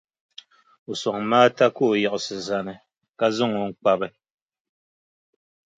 O sɔŋ Maata ka o yiɣisi zani, ka zaŋ o n-kpabi.